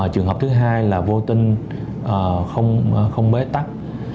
trường hợp thứ hai là vô tinh không bế tắc